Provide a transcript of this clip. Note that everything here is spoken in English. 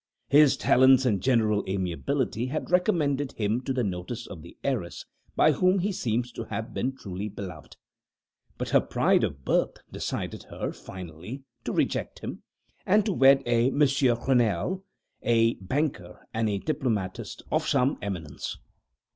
His talents and general amiability had recommended him to the notice of the heiress, by whom he seems to have been truly beloved; but her pride of birth decided her, finally, to reject him, and to wed a Monsieur Renelle, a banker and a diplomatist of some eminence.